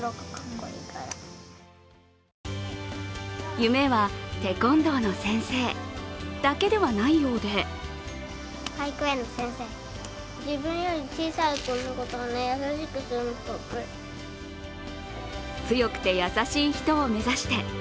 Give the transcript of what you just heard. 夢はテコンドーの先生だけではないようで強くて優しい人を目指して。